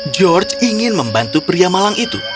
george ingin membantu pria malang itu